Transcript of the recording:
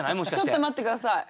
ちょっと待って下さい。